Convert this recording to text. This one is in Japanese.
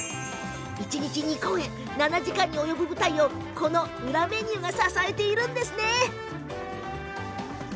一日２公演、７時間の舞台をこの裏メニューが支えているというわけですね。